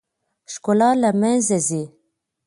ښکلا له منځه ځي .